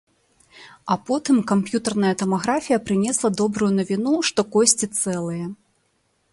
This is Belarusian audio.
А потым камп'ютарная тамаграфія прынесла добрую навіну, што косці цэлыя.